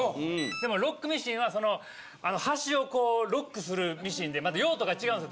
でもロックミシンはその端をロックするミシンでまた用途が違うんです。